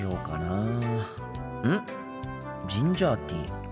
ジンジャーティー。